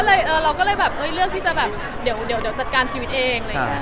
เราก็เลยเลือกที่จะแบบเดี๋ยวจัดการชีวิตเอง